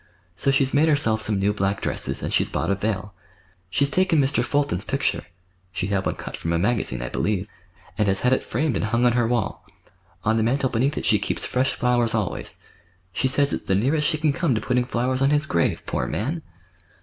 So she's made herself some new black dresses, and she's bought a veil. She's taken Mr. Fulton's picture (she had one cut from a magazine, I believe), and has had it framed and, hung on her wall. On the mantel beneath it she keeps fresh flowers always. She says it's the nearest she can come to putting flowers on his grave, poor man!"